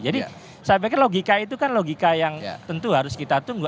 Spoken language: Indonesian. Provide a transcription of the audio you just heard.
jadi saya pikir logika itu kan logika yang tentu harus kita tunggu